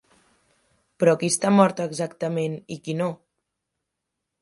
Però qui està mort exactament i qui no?